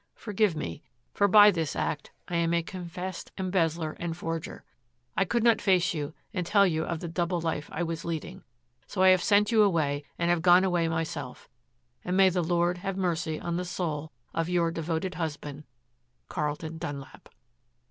Forgive me, for by this act I am a confessed embezzler and forger. I could not face you and tell you of the double life I was leading. So I have sent you away and have gone away myself and may the Lord have mercy on the soul of Your devoted husband, CARLTON DUNLAP.